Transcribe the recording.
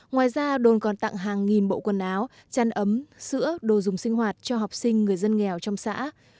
ngoài ra đồn còn tặng hàng nghìn bộ quần áo chăn ấm sữa đồ dùng sinh hoạt cho học sinh người dân nghèo trong xã